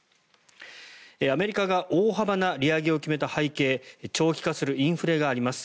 アメリカが大幅な利上げを決めた背景長期化するインフレがあります。